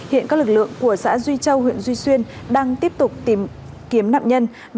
hiện các lực lượng của xã duy châu huyện duy xuyên đang tiếp tục tìm kiếm nạn nhân